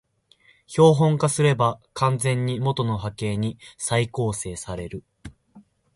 標本化すれば完全に元の波形に再構成される